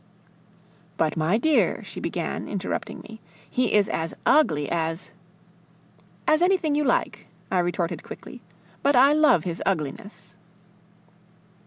"But, my dear," she began, interrupting me, "he is as ugly as..." "As anything you like," I retorted quickly, "but I love his ugliness."